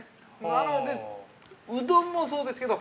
なので、うどんもそうですけど。